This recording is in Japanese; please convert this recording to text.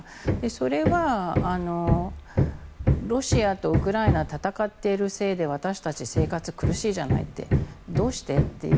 それはロシアとウクライナが戦っているせいで私たち、生活苦しいじゃないどうして？っていう